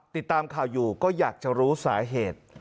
ติดตามข่าวอยู่ก็อยากจะรู้สาเหตุ